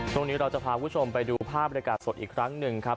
เราจะพาคุณผู้ชมไปดูภาพบริการสดอีกครั้งหนึ่งครับ